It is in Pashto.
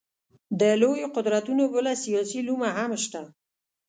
د لویو قدرتونو بله سیاسي لومه هم شته.